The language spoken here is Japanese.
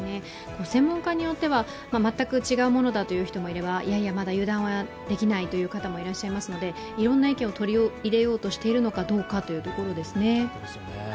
専門家によっては全く違うものだという人もいればいやいや、まだ油断はできないという方もいらっしゃいますので、いろいろな意見を取り入れようとしているのかどうかというところですね。